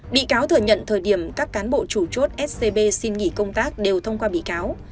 bị cáo thừa nhận thời điểm các cán bộ chủ chốt scb xin nghỉ công tác đều thông qua bị cáo